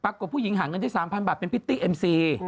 ผู้หญิงหาเงินได้๓๐๐บาทเป็นพิตตี้เอ็มซี